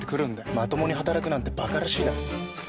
まともに働くなんて馬鹿らしいだろ。